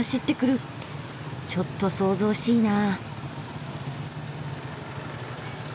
ちょっと騒々しいな。